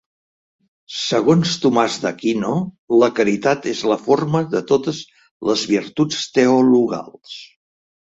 Segons Tomàs d'Aquino la caritat és la forma de totes les virtuts teologals.